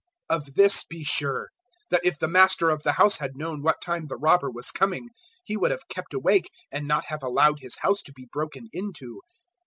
012:039 Of this be sure, that if the master of the house had known what time the robber was coming, he would have kept awake and not have allowed his house to be broken into.